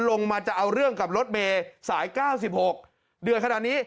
ลงมาจะเอาเรื่องกับรถเมย์สาย๙๖เดือดขนาดนี้